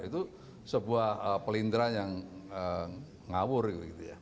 itu sebuah pelindaran yang ngawur gitu ya